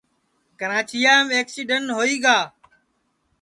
کراچیام اکسیڈن ہوئی گا